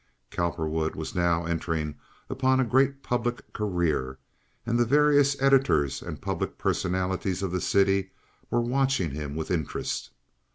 Cowperwood was now entering upon a great public career, and the various editors and public personalities of the city were watching him with interest.